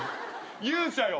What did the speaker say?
勇者よ。